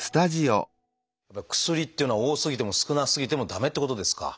やっぱり薬っていうのは多すぎても少なすぎても駄目ってことですか？